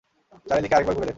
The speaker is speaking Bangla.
চারিদিকে আরেকবার ঘুরে দেখো।